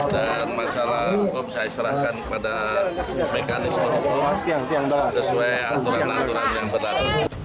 dan masalah umum saya serahkan pada mekanisme itu sesuai aturan aturan yang berlaku